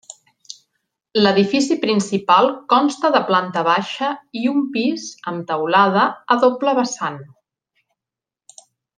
L'edifici principal consta de planta baixa i un pis amb teulada a doble vessant.